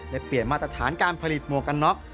ได้เปลี่ยนมาตรฐานการผลิตหมวกกันน็อก